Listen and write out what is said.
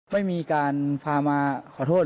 ไม่มีการพามาขอโทษ